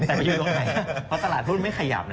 แต่มายืนตรงไหนเพราะตลาดหุ้นไม่ขยับนะ